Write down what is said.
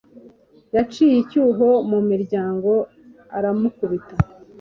yaciye icyuho mu miryango aramukubita